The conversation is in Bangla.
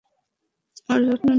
ওর যত্ন নিস।